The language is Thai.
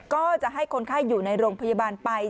ก็จะให้คนไข้อยู่ในโรงพยาบาลไป